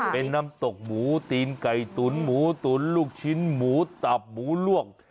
เป็นน้ำตกหมูตีนไก่ตุ๋นหมูตุ๋นลูกชิ้นหมูตับหมูลวก